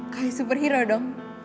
kayak superhero dong